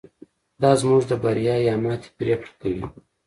دا زموږ د بریا یا ماتې پرېکړه کوي.